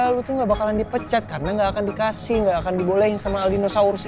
lu tuh gak bakalan dipecat karena gak akan dikasih gak akan dibolehin sama aldinosaurus itu